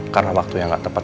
karena waktu yang gak tepat